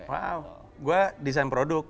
wow gue desain produk